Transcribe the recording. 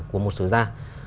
của một sửa ra